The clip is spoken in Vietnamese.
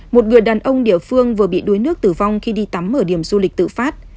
một người đàn ông địa phương vừa bị đuối nước tử vong khi đi tắm ở điểm du lịch tự phát